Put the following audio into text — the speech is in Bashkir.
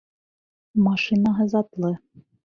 Машинаһы затлы.